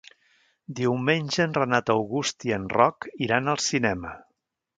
Diumenge en Renat August i en Roc iran al cinema.